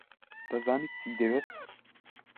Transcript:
دەزانێت چی دەوێت.